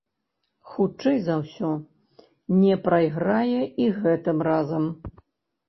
Хутчэй за ўсё, не прайграе і гэтым разам.